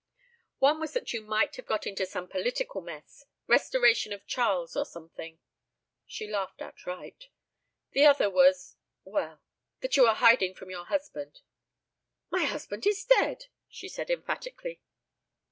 "One was that you might have got into some political mess restoration of Charles, or something " She laughed outright. "The other was well that you are hiding from your husband." "My husband is dead," she said emphatically.